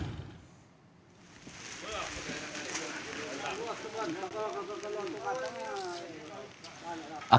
ketika penyelamat menangkap korban penyelamat menangkap korban